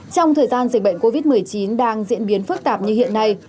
trong thời gian dịch bệnh covid một mươi chín đang diễn biến phức tạp như hiện nay